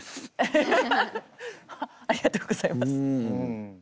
フフフフありがとうございます。